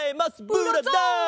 ブラザー！